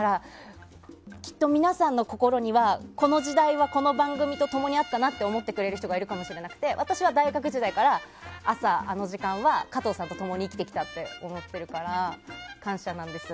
きっと皆さんの心にはこの時代はこの番組と共にあったなと思ってくれる人はいるかもしれなくて私は大学時代から朝、あの時間は加藤さんと共に生きてきたと思ってるから感謝なんです。